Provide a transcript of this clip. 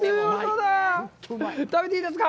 食べていいですか？